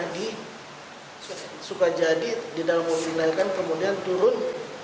di sukajadi di dalam mobil yang dilahirkan kemudian turun